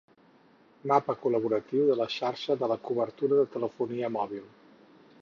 Mapa col·laboratiu de la xarxa de la cobertura de telefonia mòbil.